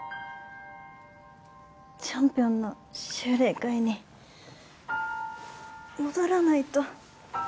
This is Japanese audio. チョンピョンの修練会に戻らないと。